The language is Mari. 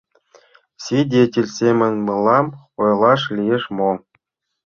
— Свидетель семын мылам ойлаш лиеш мо?